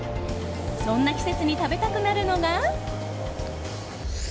そんな季節に食べたくなるのが。